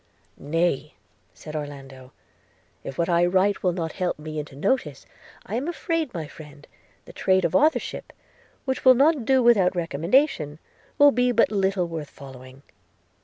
'Nay,' said Orlando, 'if what I write will not help me into notice, I am afraid, my friend, the trade of authorship, which will not do without recommendation, will be but little worth following.'